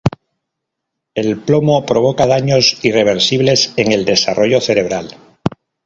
El plomo provoca daños irreversibles en el desarrollo cerebral.